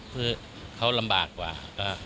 เพื่อเขารำบากกว่า